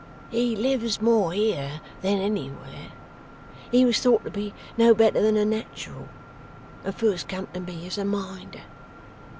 'He lives more here than anywhere. He was thought to be no better than a Natural, and first come to me as a Minder.